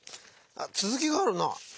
つづきがあるな。